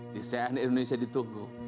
di cnn indonesia ditunggu